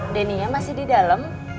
deninya masih di dalem